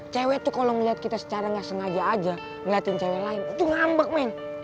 cewek tuh kalau ngeliat kita secara nggak sengaja aja ngeliatin cewek lain itu ngambek main